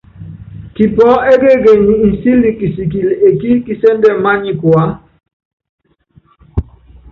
Kipɔɔ́ ékekenyi nsíli kisikili ekí kisɛ́ndɛ́ mányikuá.